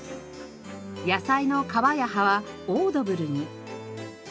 野菜の皮や葉はオードブルに。